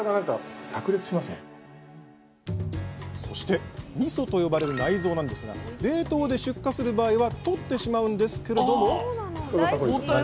そして「みそ」と呼ばれる内臓なんですが冷凍で出荷する場合は取ってしまうんですけれども深川さん